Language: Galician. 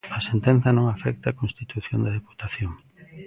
A sentenza non afecta a constitución da Deputación.